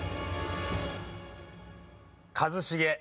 一茂。